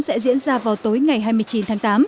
sẽ diễn ra vào tối ngày hai mươi chín tháng tám